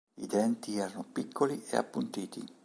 I denti erano piccoli e appuntiti.